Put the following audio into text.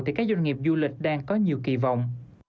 thì các doanh nghiệp du lịch đang có nhiều kỳ vọng